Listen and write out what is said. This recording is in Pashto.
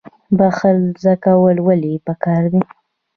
بخښل زده کول ولې پکار دي؟